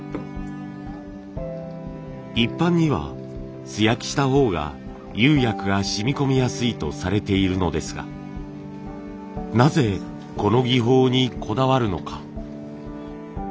一般には素焼きした方が釉薬が染み込みやすいとされているのですがなぜこの技法にこだわるのか。